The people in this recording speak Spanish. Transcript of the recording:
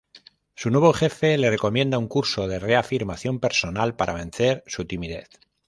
Su nuevo jefe le recomienda un curso de reafirmación personal para vencer su timidez.